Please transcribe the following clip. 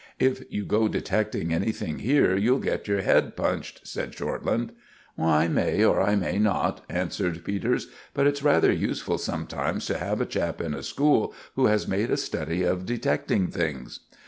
"If you go detecting anything here you'll get your head punched," said Shortland. "I may or I may not," answered Peters. "But it's rather useful sometimes to have a chap in a school who has made a study of detecting things."